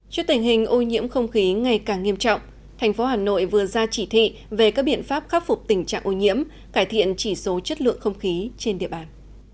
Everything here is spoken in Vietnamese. trước tình hình ô nhiễm không khí ngày càng nghiêm trọng thành phố hà nội vừa ra chỉ thị về các biện pháp khắc phục tình trạng ô nhiễm cải thiện chỉ số chất lượng không khí trên địa bàn